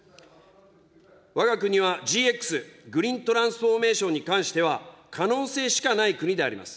わが国はＧＸ・グリーントランスフォーメーションに関しては可能性しかない国であります。